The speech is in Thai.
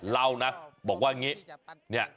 เราน่ะบอกว่าอย่างนี้